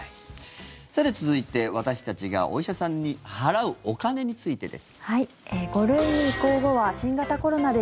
さて続いて私たちがお医者さんに払うお金についてです。